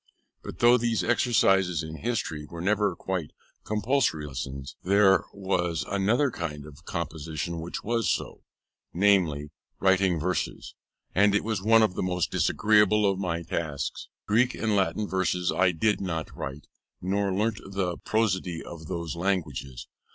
But though these exercises in history were never a compulsory lesson, there was another kind of composition which was so, namely, writing verses, and it was one of the most disagreeable of my tasks. Greek and Latin verses I did not write, nor learnt the prosody of those languages.